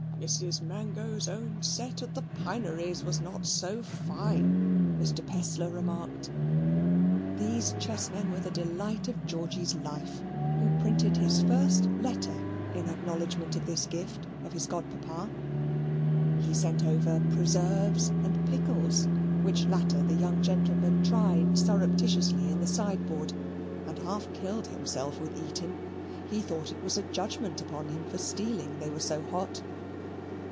"Mrs. Mango's own set at the Pineries was not so fine," Mr. Pestler remarked. These chess men were the delight of Georgy's life, who printed his first letter in acknowledgement of this gift of his godpapa. He sent over preserves and pickles, which latter the young gentleman tried surreptitiously in the sideboard and half killed himself with eating. He thought it was a judgement upon him for stealing, they were so hot.